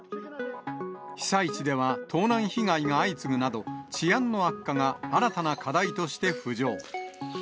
被災地では盗難被害が相次ぐなど、治安の悪化が新たな課題として浮上。